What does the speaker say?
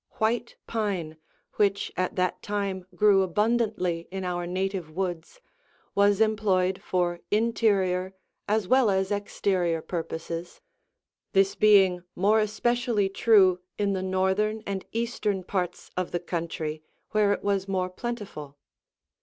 White pine, which at that time grew abundantly in our native woods, was employed for interior as well as exterior purposes, this being more especially true in the northern and eastern parts of the country, where it was more plentiful.